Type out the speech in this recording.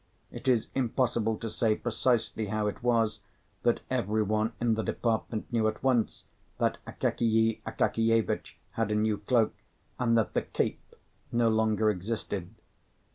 It is impossible to say precisely how it was that every one in the department knew at once that Akakiy Akakievitch had a new cloak, and that the "cape" no longer existed.